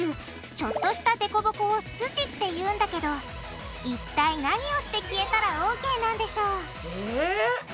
ちょっとしたデコボコをすじって言うんだけど一体何をして消えたらＯＫなんでしょう？え？